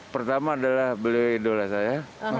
pertama adalah beliau idola saya